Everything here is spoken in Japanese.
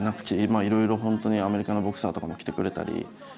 いろいろ本当にアメリカのボクサーとかもきてくれたり。